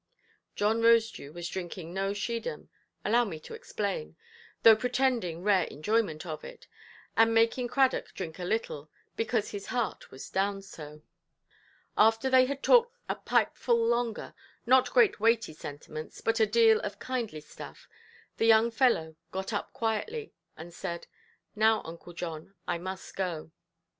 John Rosedew was drinking no Schiedam—allow me to explain—though pretending rare enjoyment of it, and making Cradock drink a little, because his heart was down so. After they had talked a pipeful longer, not great weighty sentiments, but a deal of kindly stuff, the young fellow got up quietly, and said, "Now, Uncle John, I must go".